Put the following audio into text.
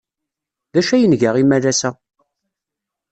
D acu ay nga imalas-a?